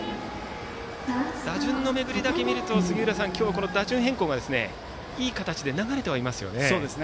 打順の巡りだけ見るとこの打順変更がいい形で流れていますよね。